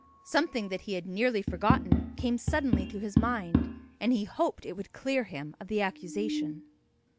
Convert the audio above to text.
Something that he had nearly forgotten came suddenly to his mind, and he hoped it would clear him of the accusation.